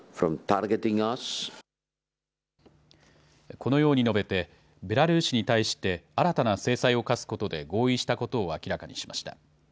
このように述べてベラルーシに対して新たな制裁を科すことで合意したことを明らかにしました。